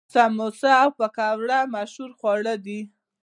سموسه او پکوړه مشهور خواړه دي.